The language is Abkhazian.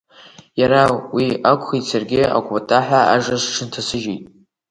Иара уи акәхеит саргьы акәапаҳәа ажра сҽынҭасыжьт.